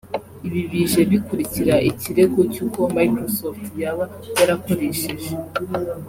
Ibi bije bikurikira ikirego cy’uko Microsoft yaba yarakoresheje